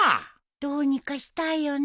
どうにかしたいよね。